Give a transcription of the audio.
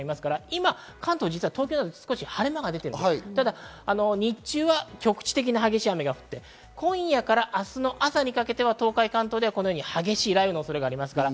今、関東では晴れ間が出ていますが、日中は局地的な激しい雨が降って、今夜から明日の朝にかけては東海、関東では激しい雷雨の恐れがあります。